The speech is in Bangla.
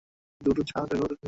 দুটো ছাদে রাখো, দুটো নিচে।